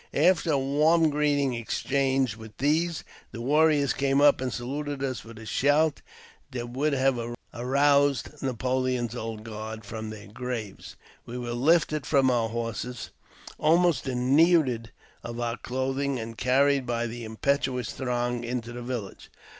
After a warm greeting exchanged with these, the warriors came up, and saluted us with a shout that would have aroused Napoleon's Old Guard from their graves. We were lifted from our horses, and almost denuded of our clothing, and carried by the impetuous throng into the village.